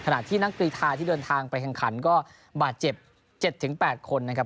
ที่นักกรีทาที่เดินทางไปแข่งขันก็บาดเจ็บ๗๘คนนะครับ